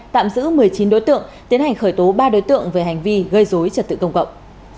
tạm giữ một mươi chín đối tượng tiến hành khởi tố ba đối tượng về hành vi gây dối trật tự công cộng